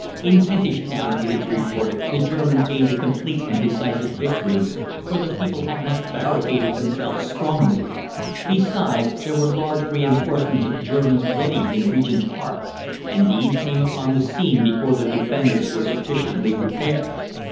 In Kentish Town, it is reported, the Germans gained a complete and decisive victory, for the people had not barricaded themselves strongly; besides, there were large reinforcements of Germans ready in Regent's Park, and these came upon the scene before the Defenders were sufficiently prepared.